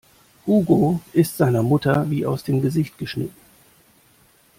Hugo ist seiner Mutter wie aus dem Gesicht geschnitten.